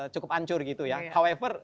cukup hancur gitu ya however